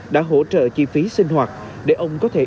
đã hỗ trợ chi phí sinh hoạt để ông có thể